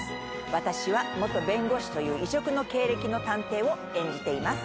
私は元弁護士という異色の経歴の探偵を演じています。